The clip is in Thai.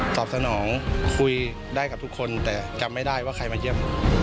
ตอบสนองคุยได้กับทุกคนแต่จำไม่ได้ว่าใครมาเยี่ยม